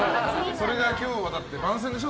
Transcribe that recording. それが今日は番宣でしょ？